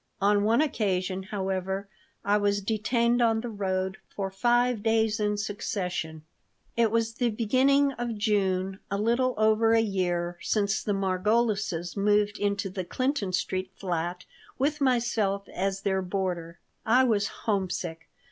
On one occasion, however, I was detained on the road for five days in succession. It was the beginning of June, a little over a year since the Margolises moved into the Clinton Street flat with myself as their boarder. I was homesick.